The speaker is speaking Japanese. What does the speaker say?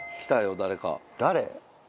誰？